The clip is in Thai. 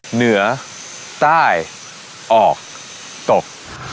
เหนือใต้ออกตก